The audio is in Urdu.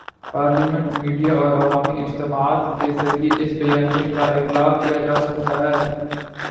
پارلیمنٹ، میڈیا اور عوامی اجتماعات کے ذریعے اس بیانیے کا ابلاغ کیا جا سکتا ہے۔